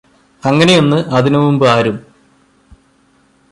അങ്ങനെയൊന്ന് അതിനുമുമ്പ് ആരും